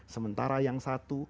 sementara yang satu